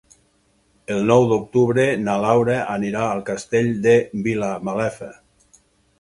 El nou d'octubre na Laura anirà al Castell de Vilamalefa.